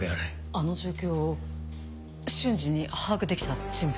あの状況を瞬時に把握できた人物。